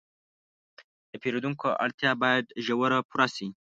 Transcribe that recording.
د پیرودونکي اړتیا باید ژر پوره شي.